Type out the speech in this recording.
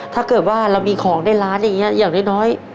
ถ้าเกิดว่าเรามีของได้ล้านอย่างนี้อย่างน้อย